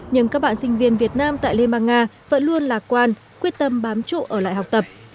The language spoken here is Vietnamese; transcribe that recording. nhưng các bạn sinh viên việt nam tại liên bang nga vẫn luôn lạc quan quyết tâm bám trụ ở lại học tập